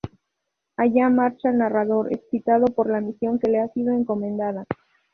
Allá marcha el narrador, excitado por la misión que le ha sido encomendada.